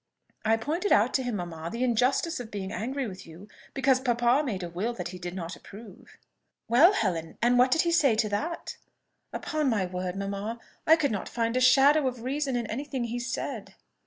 "I pointed out to him, mamma, the injustice of being angry with you because papa made a will that he did not approve." "Well, Helen! and what did he say to that?" "Upon my word, mamma, I could not find a shadow of reason in any thing he said."